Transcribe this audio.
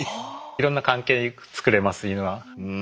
いろんな関係作れますイヌは。